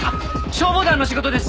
消防団の仕事です。